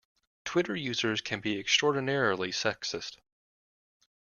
Twitter users can be extraordinarily sexist